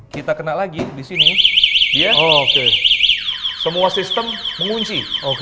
kita kena lagi di sini semua sistem mengunci